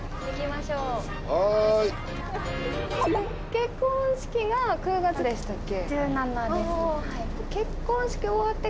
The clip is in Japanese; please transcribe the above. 結婚式が９月でしたっけ？